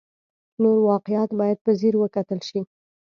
نور واقعیات باید په ځیر وکتل شي.